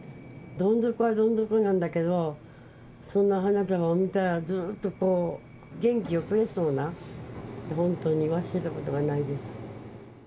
どん底はどん底なんだけど、そんな花束を見たら、ずっとこう、元気をくれそうな、本当に忘れることがないです。